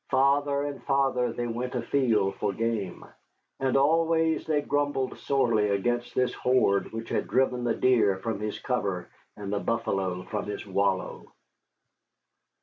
Farther and farther they went afield for game, and always they grumbled sorely against this horde which had driven the deer from his cover and the buffalo from his wallow.